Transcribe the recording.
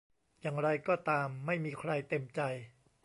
อย่างไรก็ตามไม่มีใครเต็มใจ